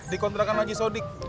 dikontrakan lagi sodik